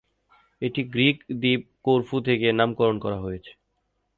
এটি গ্রিক দ্বীপ করফু থেকে নামকরণ করা হয়েছে।